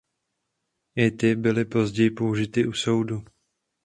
I ty byly později použity u soudu.